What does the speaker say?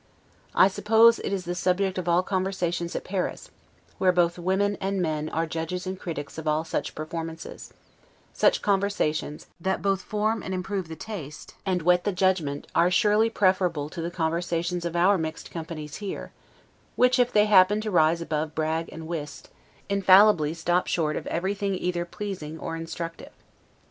I suppose it is the subject of all conversations at Paris, where both women and men are judges and critics of all such performances; such conversations, that both form and improve the taste, and whet the judgment; are surely preferable to the conversations of our mixed companies here; which, if they happen to rise above bragg and whist, infallibly stop short of everything either pleasing or instructive.